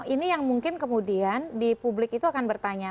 ini yang mungkin kemudian di publik itu akan bertanya